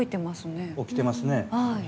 起きてますね。